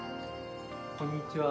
こんにちは。